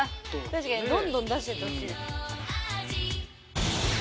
確かにどんどん出してってほしい。